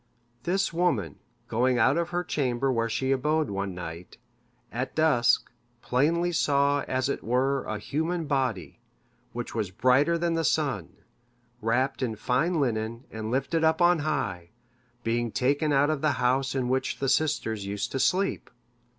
This woman, going out of the chamber where she abode one night, at dusk, plainly saw as it were a human body, which was brighter than the sun, wrapped in fine linen, and lifted up on high, being taken out of the house in which the sisters used to sleep.